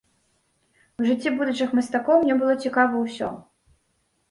У жыцці будучых мастакоў мне было цікава ўсё.